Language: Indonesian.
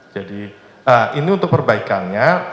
jadi ini untuk perbaikannya